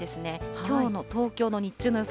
きょうの東京の日中の予想